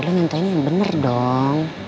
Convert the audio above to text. lo ngantain yang bener dong